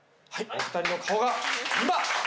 お二人の顔が今。